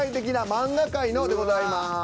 「漫画界の」でございます。